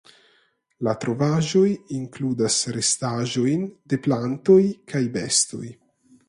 La trovaĵoj inkludas restaĵojn de plantoj kaj bestoj.